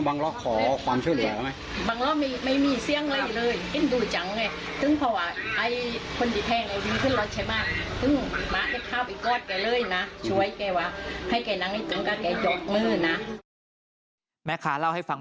บังล๊อกไม่มีเสียงไรเลยงั้นดูจัง๙๓